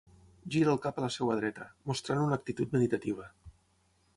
Gira el cap a la seva dreta, mostrant una actitud meditativa.